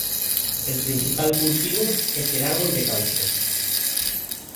El principal cultivo es el árbol de caucho.